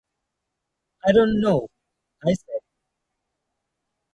‘I don’t know,’ I said.